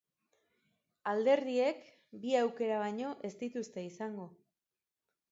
Alderdiek bi aukera baino ez dituzte izango.